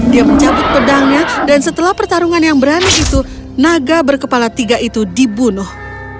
dia mencabut pedangnya dan setelah pertarungan yang berani itu naga berkepala tiga itu dibunuh